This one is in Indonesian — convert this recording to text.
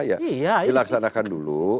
ya dilaksanakan dulu